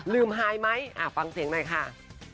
ไฮไหมฟังเสียงหน่อยค่ะ